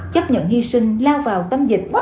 chấp nhận hy sinh lao vào tâm dịch